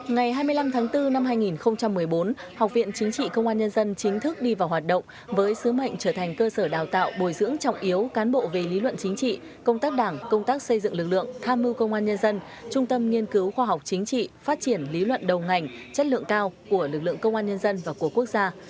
ngày hai mươi năm tháng bốn năm hai nghìn một mươi bốn học viện chính trị công an nhân dân chính thức đi vào hoạt động với sứ mệnh trở thành cơ sở đào tạo bồi dưỡng trọng yếu cán bộ về lý luận chính trị công tác đảng công tác xây dựng lực lượng tham mưu công an nhân dân trung tâm nghiên cứu khoa học chính trị phát triển lý luận đầu ngành chất lượng cao của lực lượng công an nhân dân và của quốc gia